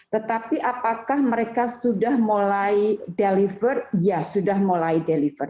tetapi apakah mereka sudah mulai deliver ya sudah mulai deliver